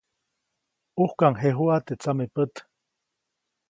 ʼUjkaŋjejuʼa teʼ tsamepät.